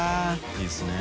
いいですね。